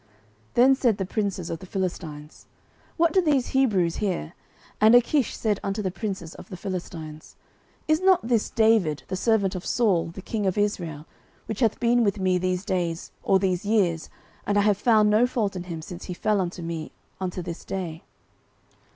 09:029:003 Then said the princes of the Philistines, What do these Hebrews here? And Achish said unto the princes of the Philistines, Is not this David, the servant of Saul the king of Israel, which hath been with me these days, or these years, and I have found no fault in him since he fell unto me unto this day?